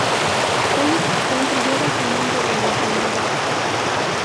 Hoy el puente lleva su nombre del ingeniero.